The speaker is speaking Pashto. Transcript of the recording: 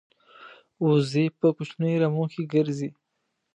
وزې په کوچنیو رمو کې ګرځي